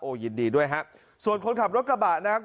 ยินดีด้วยฮะส่วนคนขับรถกระบะนะครับ